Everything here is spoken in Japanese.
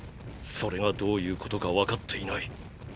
それがどういうことかわかっていない。